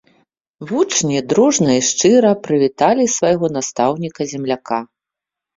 Вучні дружна і шчыра прывіталі свайго настаўніка-земляка.